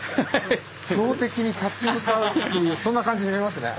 強敵に立ち向かうっていうそんな感じに見えますね。